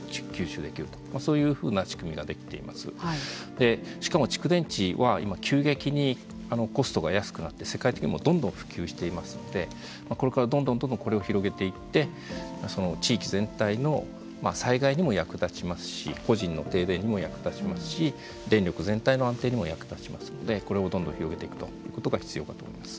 でしかも蓄電池は今急激にコストが安くなって世界的にもどんどん普及していますのでこれからどんどんどんどんこれを広げていってその地域全体の災害にも役立ちますし個人の停電にも役立ちますし電力全体の安定にも役立ちますのでこれをどんどん広げていくということが必要かと思います。